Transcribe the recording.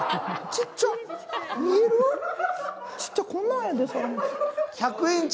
ちっちゃ、こんなんやで。